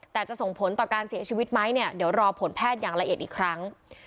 แต่จะส่งผลต่อการเสียชีวิตไหมเนี่ยเดี๋ยวรอผลแพทย์อย่างละเอียดอีกครั้ง